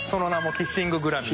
キッシンググラミー。